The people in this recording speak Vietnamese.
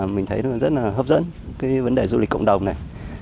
mình thấy nó rất là hấp dẫn cái vấn đề du lịch cộng đồng này